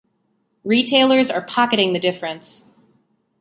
Retailers are pocketing the difference.